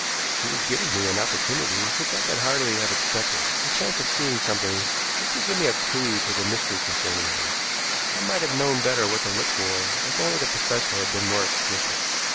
She was giving me an opportunity which I could hardly have expected, a chance of seeing something which would give me a clew to the mystery concerning her. I might have known better what to look for if only the professor had been more explicit.